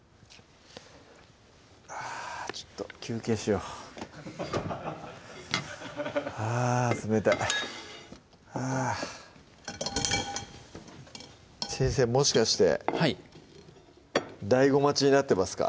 あちょっと休憩しようあ冷たいあぁ先生もしかしてはいＤＡＩＧＯ待ちになってますか？